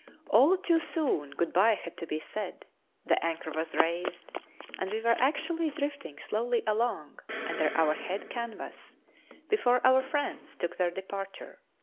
All too soon good bye had to be said; the anchor was raised, and we were actually drifting slowly along under our head canvas before our friends took their departure.